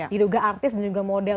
diduga artis dan juga model